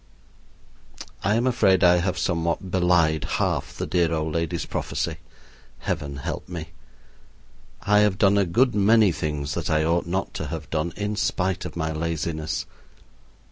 I am afraid I have somewhat belied half the dear old lady's prophecy. Heaven help me! I have done a good many things that I ought not to have done, in spite of my laziness.